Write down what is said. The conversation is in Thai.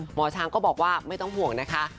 หมอช้างก็บอกว่าไม่ต้องห่วงนะคะ